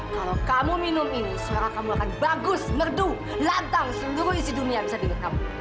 kalau kamu minum ini suara kamu akan bagus merdu lantang seluruh isi dunia bisa direkam